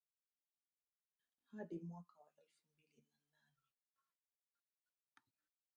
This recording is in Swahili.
Hadi mwaka wa elfu mbili na nane